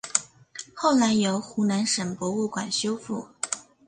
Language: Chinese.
后来由湖南省博物馆修复。